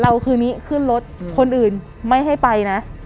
เราวิ่งกันขึ้นรถคนอื่นไม่ให้ไป